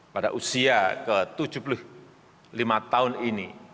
pada usia ke tujuh puluh lima tahun ini